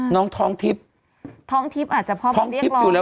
น้องท้องทิพย์